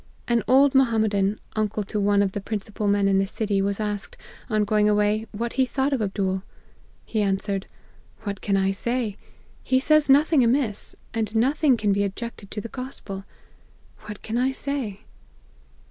An old Mohammedan, uncle to one of the principal men in the city, was asked, on go ing away, what he thought of Abdool. He an swered, ' What can I say ? He says nothing amiss ; and nothing can be objected to the Gospel ; what can I say